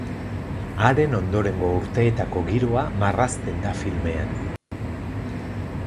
Haren ondorengo urteetako giroa marrazten da filmean.